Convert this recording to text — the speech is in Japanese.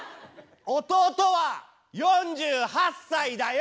弟は４８歳だよ！